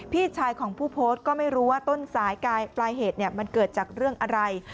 พี่ชายของผู้โพสต์ก็ไม่รู้ว่าต้นสายปลายเหตุมันเกิดจากเรื่องอะไร